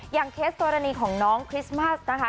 อย่างเคสตัวรณีของน้องคริสต์มาสนะคะ